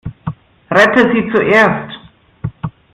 Rette sie zuerst!